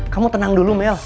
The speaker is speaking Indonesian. kamu tenang dulu mel